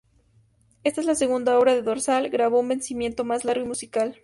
Esta es la segunda obra de Dorsal grabó con vencimiento más largo y musical.